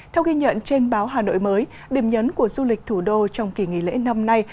theo ghi nhận trên báo hà nội mới điểm nhấn của du lịch thủ đô trong kỳ nghỉ lễ năm nay